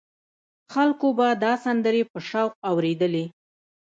خلکو به دا سندرې په شوق اورېدلې.